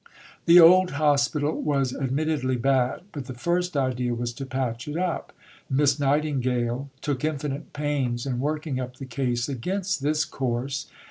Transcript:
The old hospital was admittedly bad, but the first idea was to patch it up. Miss Nightingale took infinite pains in working up the case against this course.